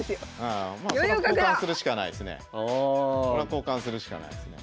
交換するしかないですね。